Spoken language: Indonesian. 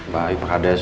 baik pak kades